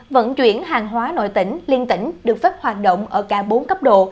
vận chuyển hàng hóa nội tỉnh liên tỉnh được phép hoạt động ở cả bốn cấp độ